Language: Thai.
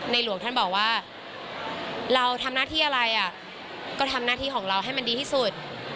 หลวงท่านบอกว่าเราทำหน้าที่อะไรก็ทำหน้าที่ของเราให้มันดีที่สุด